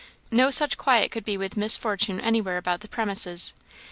No such quiet could be with Miss Fortune anywhere about the premises.